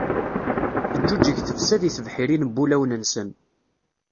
Teǧǧuǧǧeg tefsa di tebḥirin n wulawen-nsen.